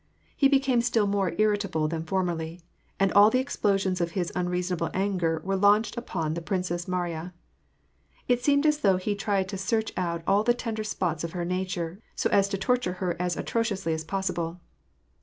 He became still more irritable than formerly ; and all the explosions of his unreasonable anger were launched upon the Princess Mariya. It seemed as though he tried to search out all the tender spots of her nature, so as to torture her as atrociously as possible.